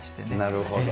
なるほど。